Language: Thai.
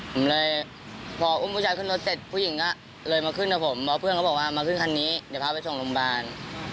ผมเลยพออุ้มผู้ชายขึ้นรถเสร็จผู้หญิงก็เลยมาขึ้นกับผมเพราะเพื่อนเขาบอกว่ามาขึ้นคันนี้เดี๋ยวพาไปส่งโรงพยาบาล